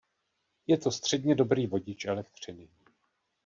Je to středně dobrý vodič elektřiny.